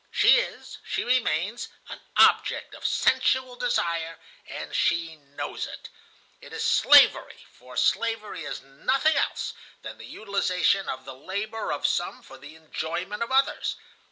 She is, she remains, an object of sensual desire, and she knows it. It is slavery, for slavery is nothing else than the utilization of the labor of some for the enjoyment of others.